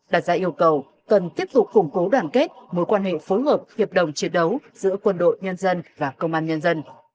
đặt ra yêu cầu cần tiếp tục củng cố đoàn kết mối quan hệ phối hợp hiệp đồng chiến đấu giữa quân đội nhân dân và công an nhân dân